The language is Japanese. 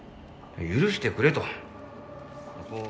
許してくれとこう。